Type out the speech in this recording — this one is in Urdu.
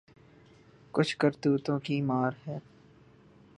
کچھ کرتوتوں کی مار ہے۔